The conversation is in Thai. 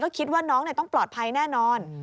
ก็คิดว่าน้องเนี่ยต้องปลอดภัยแน่นอน